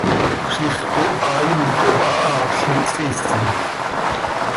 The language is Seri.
¡Ziix cooha imt cop hahaapl ihsiisi!